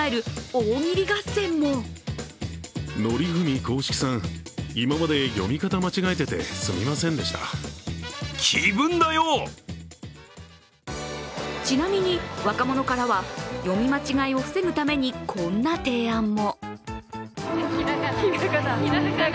大喜利合戦もちなみに若者からは読み間違いを防ぐためにこんな提案も。